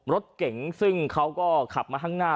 รถเก๋งซึ่งเขาก็ขับมาข้างหน้า